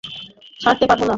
ছাড়তে পারব না।